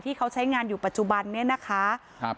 ที่เขาใช้งานอยู่ปัจจุบันนี้นะคะครับ